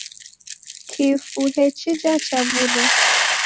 Kifu hechija chaw'urwa.